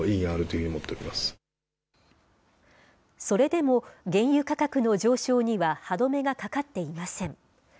それでも、原油価格の上昇には歯止めがかかっていません。